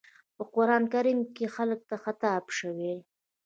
په قرآن کريم کې خلکو ته خطاب شوی.